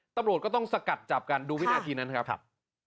ตำรวจก็ต้องสกัดจับกันดูวินาทีนั้นครับ